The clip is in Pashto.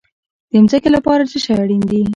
د ځمکې لپاره څه شی اړین دي؟